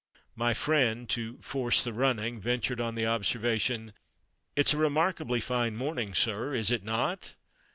My friend, to "force the running," ventured on the observation "It's a remarkably fine morning, sir, is it not?"